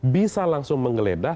bisa langsung menggeledah